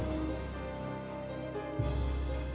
ya itu malah aku mau gak n feathers